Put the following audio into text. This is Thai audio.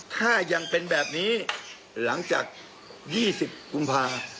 ถ้ายังเป็นแบบนี้หลังจาก๒๐กุมภา